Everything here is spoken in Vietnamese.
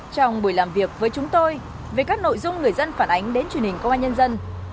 trong buổi làm việc với chúng tôi về các nội dung người dân phản ánh đến truyền hình công an nhân dân